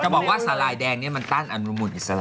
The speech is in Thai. จะบอกว่าสลายแดงเนี่ยมันต้านอันรมุนอิสระ